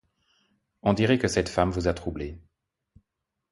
on dirait que cette femme vous a troublé.